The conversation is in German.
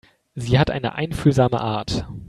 Sie hat eine einfühlsame Art.